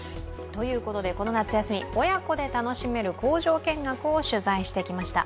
ということで、この夏休み親子で楽しめる工場見学を取材してきました。